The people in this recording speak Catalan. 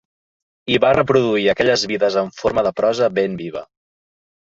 I va reproduir aquelles vides en forma de prosa ben viva.